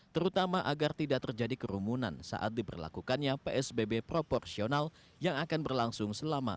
terutama agar tidak terjadi kerumunan saat diperlakukannya psbb proporsional yang akan berlangsung selama empat belas hari